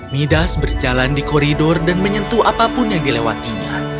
midas berjalan di koridor dan menyentuh apapun yang dilewatinya